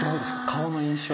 顔の印象。